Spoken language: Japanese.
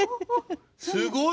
すごいね！